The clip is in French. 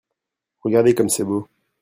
Regardez comme c'est beau !